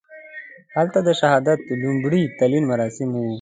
هلته د شهادت لومړي تلین مراسم وو.